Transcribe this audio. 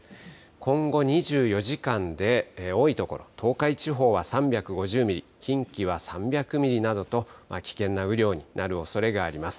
今後２４時間で多い所、東海地方は３５０ミリ、近畿は３００ミリなどと、危険な雨量になるおそれがあります。